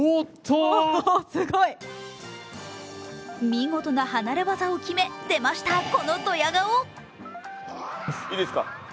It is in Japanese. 見事な離れ業を決め、出ました、このドヤ顔。